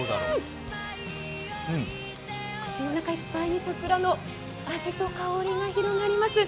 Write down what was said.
口の中いっぱいに桜の味と香りが広がります。